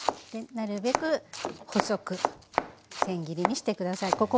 なるべく細くせん切りにして下さい。